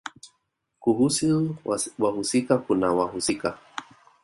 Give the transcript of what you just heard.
Kuhusu wahusika kuna wahusika